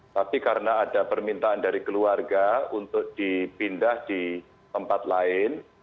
tapi karena ada permintaan dari keluarga untuk dipindah di tempat lain